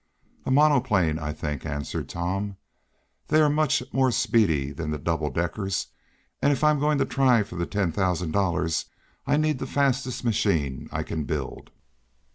"A monoplane, I think," answered Tom. "They are much more speedy than the double deckers, and if I'm going to try for the ten thousand dollars I need the fastest machine I can build."